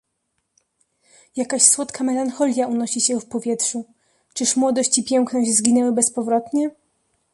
"Jakaś słodka melancholia unosi się w powietrzu; czyż młodość i piękność zginęły bezpowrotnie?"